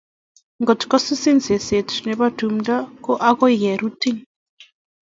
Ngot kosusin seseet nebo tumto, ko akoi kerutiin